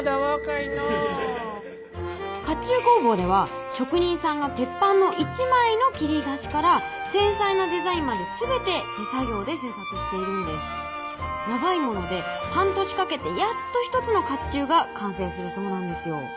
甲冑工房では職人さんが鉄板の１枚の切り出しから繊細なデザインまで全て手作業で製作しているんです長いもので半年かけてやっと１つの甲冑が完成するそうなんですよ